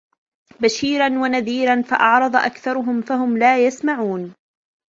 بَشِيرًا وَنَذِيرًا فَأَعْرَضَ أَكْثَرُهُمْ فَهُمْ لَا يَسْمَعُونَ